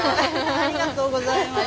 ありがとうございます。